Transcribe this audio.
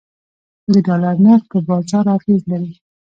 د ډالر نرخ په بازار اغیز لري